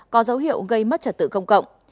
có dấu hiệu gây mất trật tự công cộng